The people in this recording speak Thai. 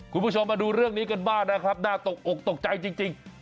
คุณผู้ชมมาดูเรื่องนี้กันบ้างนะครับน่าตกอกตกใจจริง